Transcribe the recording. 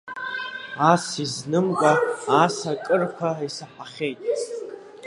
Ас изнымкәа, ас акырқәа исаҳахьеит.